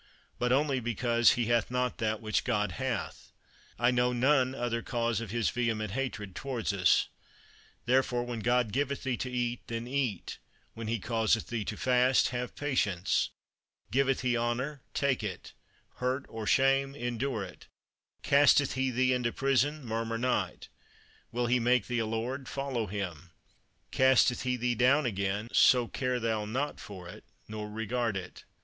but only because he hath not that which God hath. I know none other cause of his vehement hatred towards us. Therefore when God giveth thee to eat, then eat; when he causeth thee to fast, have patience; giveth he honour, take it; hurt or shame, endure it; casteth he thee into prison, murmur not; will he make thee a lord, follow him: casteth he thee down again, so care thou not for it, nor regard it.